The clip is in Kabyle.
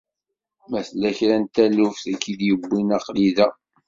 Ma tella kra n taluft i k-id-yuwin aql-i da.